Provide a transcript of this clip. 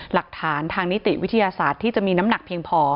หลักฐานทางนิติวิทยาศาสตร์ที่จะมีน้ำหนักเพียงพอ